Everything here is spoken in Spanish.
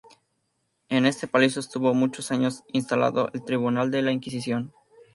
En este palacio estuvo muchos años instalado el Tribunal de la Inquisición.